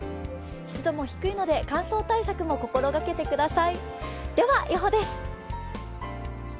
湿度も低いので乾燥対策も心がけてください。